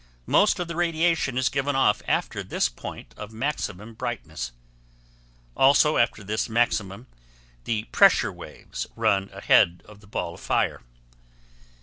Most of the radiation is given off after this point of maximum brightness. Also after this maximum, the pressure waves run ahead of the ball of fire.